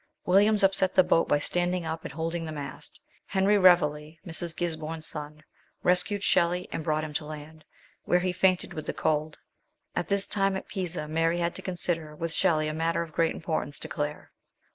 Williams upset the boat by standing up and holding the mast. Henry Reveley, Mrs. Gisborne's son, 150 MRS. SHELLEY. rescued Shelley and brought him to land, where he fainted with the cold. At this same time, at Pisn, Mary had to consider with Shelley a matter of great importance to Claire.